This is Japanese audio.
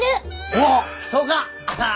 おおそうか！